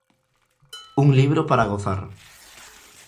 Un libro para gozar.